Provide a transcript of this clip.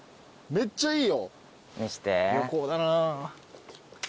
めっちゃいい。